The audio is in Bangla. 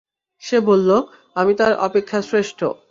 সে বলল, আমি তার অপেক্ষা শ্রেষ্ঠ।